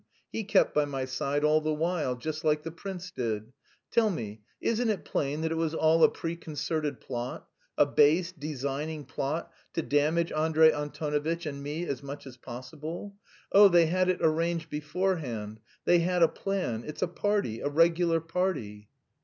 He kept by my side all the while, just like the prince did. Tell me, isn't it plain that it was all a preconcerted plot, a base, designing plot to damage Andrey Antonovitch and me as much as possible? Oh, they had arranged it beforehand. They had a plan! It's a party, a regular party."